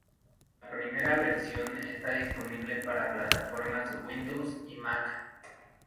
La primera versión está disponible para plataformas Windows y Mac.